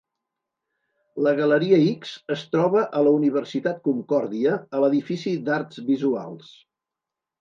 La galeria X es troba a la Universitat Concordia, a l'edifici d'Arts Visuals.